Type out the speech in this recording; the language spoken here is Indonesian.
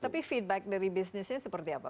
tapi feedback dari bisnisnya seperti apa